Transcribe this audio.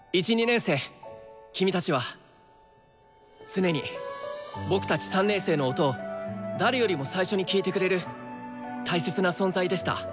君たちは常に僕たち３年生の音を誰よりも最初に聴いてくれる大切な存在でした。